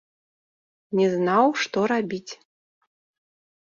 Не знаў, што рабіць.